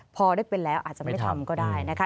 พอได้เป็นแล้วอาจจะไม่ทำก็ได้นะคะ